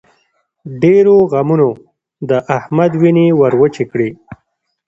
ډېرو غمونو د احمد وينې ور وچې کړې.